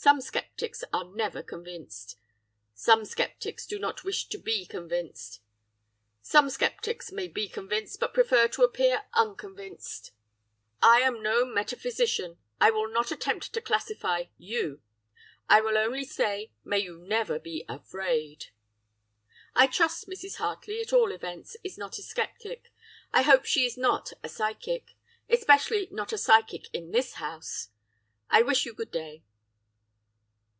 Some sceptics are never convinced! Some sceptics do not wish to be convinced! Some sceptics may be convinced, but prefer to appear unconvinced! "'I am no metaphysician! I will not attempt to classify YOU. I will only say, "May you never be AFRAID." "'I trust Mrs. Hartley, at all events, is not a sceptic: I hope she is not a psychic! especially not a psychic in this house. I wish you good day!